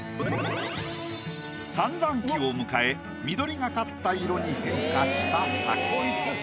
産卵期を迎え緑がかった色に変化した鮭。